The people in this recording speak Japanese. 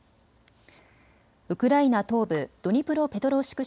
ウクライナ東部ドニプロペトロウシク